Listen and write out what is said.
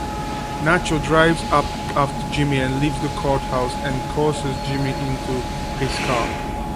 Nacho drives up after Jimmy leaves the courthouse and coerces Jimmy into his car.